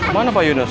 mana pak yunus